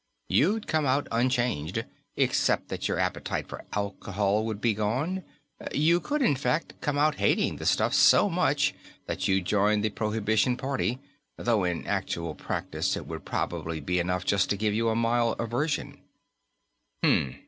You'd come out unchanged, except that your appetite for alcohol would be gone; you could, in fact, come out hating the stuff so much that you'd join the Prohibition Party though, in actual practice, it would probably be enough just to give you a mild aversion."